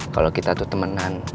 kalau kita tuh temenan